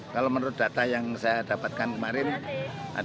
kalau menurut data yang saya dapatkan kemarin ada lima dua ratus sebelas